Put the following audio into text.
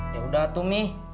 yaudah atuh mih